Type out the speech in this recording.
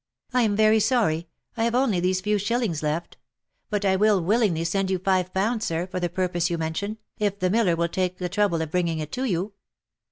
" I am very sorry I have only these few shillings left ; but I will willingly send you five pounds, sir, for the purpose you mention, if the miller will take the trouble of bringing it to you."